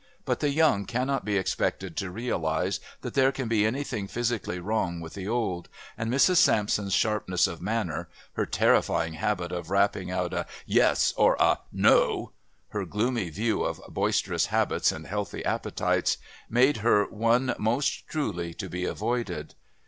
But the young cannot be expected to realise that there can be anything physically wrong with the old, and Mrs. Sampson's sharpness of manner, her terrifying habit of rapping out a "Yes" or a "No," her gloomy view of boisterous habits and healthy appetites, made her one most truly to be avoided.